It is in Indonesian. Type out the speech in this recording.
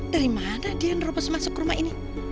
dari mana dia nerobos masuk ke rumah ini